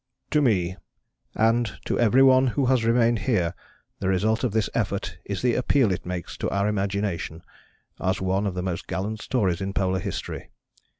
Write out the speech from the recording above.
_ To me, and to every one who has remained here the result of this effort is the appeal it makes to our imagination, as one of the most gallant stories in Polar History.